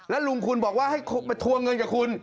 แล้วลุงคุณบอกว่าให้มาทวงเงินกับคุณ